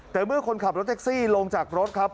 แต่เมื่อคนขับรถแท็กซี่ลงจากรถครับ